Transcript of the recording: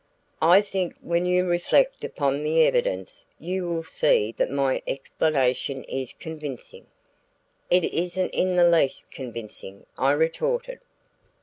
I think when you reflect upon the evidence, you will see that my explanation is convincing." "It isn't in the least convincing," I retorted.